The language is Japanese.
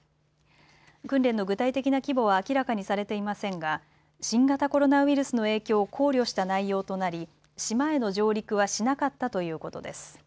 訓練の具体的な規模は明らかにされていませんが新型コロナウイルスの影響を考慮した内容となり島への上陸はしなかったということです。